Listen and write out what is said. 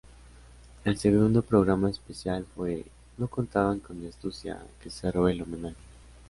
El segundo programa especial fue ""No contaban con mi astucia"", que cerró el homenaje.